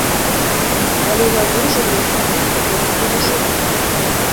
Але я выжыву, усё вытрываю і перажыву!